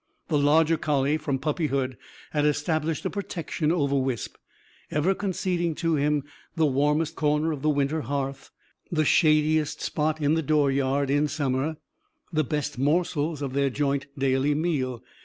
The larger collie, from puppyhood, had established a protection over Wisp; ever conceding to him the warmest corner of the winter hearth, the shadiest spot in the dooryard in summer, the best morsels of their joint daily meal.